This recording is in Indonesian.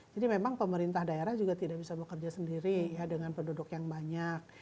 jadi memang pemerintah daerah juga tidak bisa bekerja sendiri ya dengan penduduk yang banyak